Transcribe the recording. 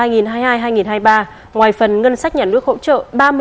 ngoài phần ngân sách nhà nước hỗ trợ